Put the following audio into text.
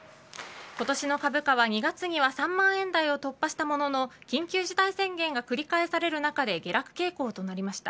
今年の株価は、２月には３万円台を突破したものの緊急事態宣言が繰り返される中で下落傾向となりました。